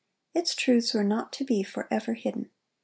Its truths were not to be forever hidden.